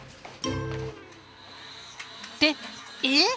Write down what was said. ってえっ！